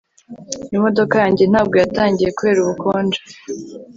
Imodoka yanjye ntabwo yatangiye kubera ubukonje